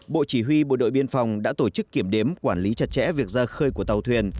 bộ chỉ huy bộ đội biên phòng đã tổ chức kiểm đếm quản lý chặt chẽ việc ra khơi của tàu thuyền